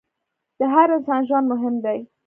د هر انسان ژوند مهم دی.